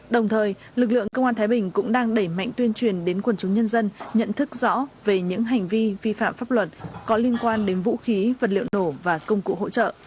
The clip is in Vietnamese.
đồng thời lực lượng công an thái bình cũng đang đẩy mạnh tuyên truyền đến quần chúng nhân dân nhận thức rõ về những hành vi vi phạm pháp luật có liên quan đến vũ khí vật liệu nổ và công cụ hỗ trợ